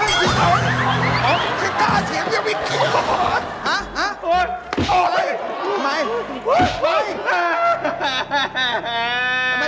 เมื่อกี้เอารถไถไม่เหนือ